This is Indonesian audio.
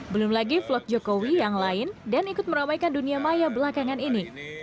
belum lagi vlog jokowi yang lain dan ikut meramaikan dunia maya belakangan ini